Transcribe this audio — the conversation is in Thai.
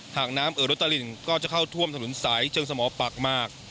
หากน้ำเอ่อรถตลิ่งก็จะเข้าท่วมถนนสายเชิงสมอปากมาก